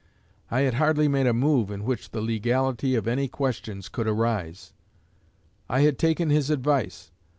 I had hardly made a move in which the legality of any question could arise. I had taken his advice.